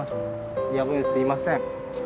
夜分すいません。